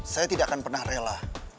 saya tidak akan pernah rela